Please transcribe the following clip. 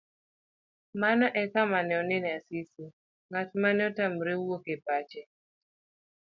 Mano ekama ne onene Asisi, ng'at mane otamre wuok e pache.